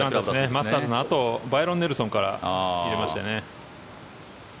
マスターズのあとバイロン・ネルソンから入れましたよね。